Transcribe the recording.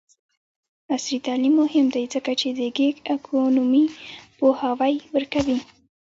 عصري تعلیم مهم دی ځکه چې د ګیګ اکونومي پوهاوی ورکوي.